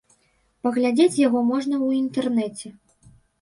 Паглядзець яго можна ў інтэрнэце.